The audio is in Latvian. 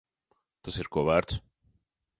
Tas ir ko vērts.